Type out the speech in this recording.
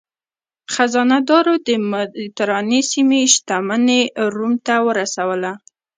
خزانه دارو د مدترانې سیمې شتمني روم ته ورسوله.